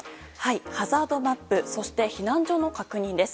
ハザードマップそして、避難所の確認です。